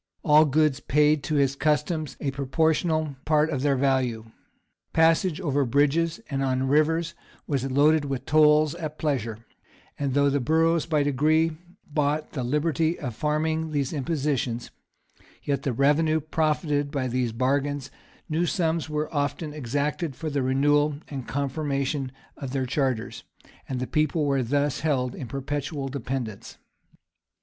All goods paid to his customs a proportional part of their value:[] passage over bridges and on rivers was loaded with tolls at pleasure:[] and though the boroughs by degrees bought the liberty of farming these impositions, yet the revenue profited by these bargains, new sums were often exacted for the renewal and confirmation of their Charters,[] and the people were thus held in perpetual dependence.